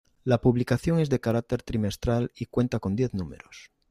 La publicación es de carácter trimestral y cuenta con diez números.